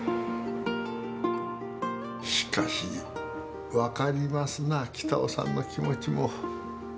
しかし分かりますな北尾さんの気持ちも。